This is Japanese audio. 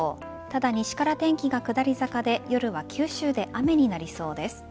ただ西から天気が下り坂で夜は九州で雨になりそうです。